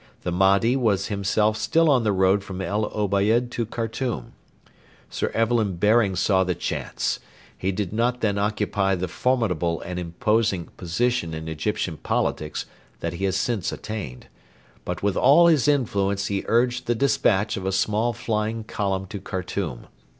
The Mahdi was himself still on the road from El Obeid to Khartoum. Sir Evelyn Baring saw the chance. He did not then occupy the formidable and imposing position in Egyptian politics that he has since attained. But with all his influence he urged the despatch of a small flying column to Khartoum.